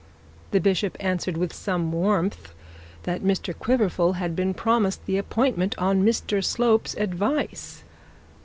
The bishop answered with some warmth that Mr Quiverful had been promised the appointment on Mr Slope's advice.